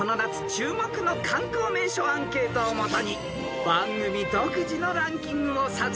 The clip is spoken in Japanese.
注目の観光名所アンケートを基に番組独自のランキングを作成］